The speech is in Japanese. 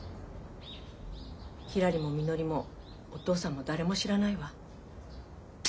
ひらりもみのりもお義父さんも誰も知らないわ。